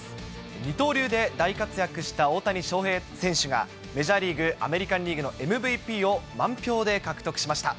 二刀流で大活躍した大谷翔平選手が、メジャーリーグ、アメリカンリーグのＭＶＰを満票で獲得しました。